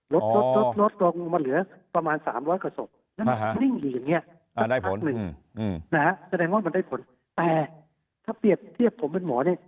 ลดลงมันเหลือประมาณ๓๐๐กว่าสกนี่เนี่ยได้ผลแต่ถ้าเกี่ยวผมเป็นหมอเนี่ย